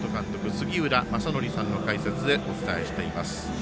杉浦正則さんの解説でお伝えしています。